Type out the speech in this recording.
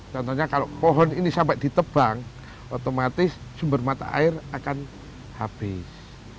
contohnya kalau pohon ini sampai ditebang otomatis sumber mata air akan habis